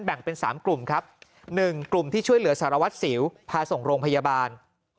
แบ่งเป็น๓กลุ่มครับ๑กลุ่มที่ช่วยเหลือสารวัตรสิวพาส่งโรงพยาบาล